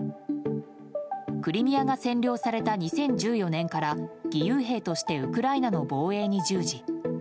クリミアが占領された２０１４年から義勇兵としてウクライナの防衛に従事。